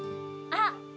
あっ！